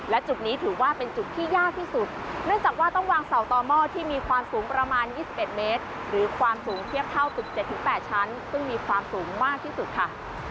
และจุดนี้ถือว่าเป็นจุดที่ยากที่สุดเนื่องจากว่าต้องวางเสาต่อหม้อที่มีความสูงประมาณ๒๑เมตรหรือความสูงเทียบเท่าตึก๗๘ชั้นซึ่งมีความสูงมากที่สุดค่ะ